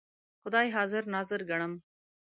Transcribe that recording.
خدای حاضر ناظر ګڼم.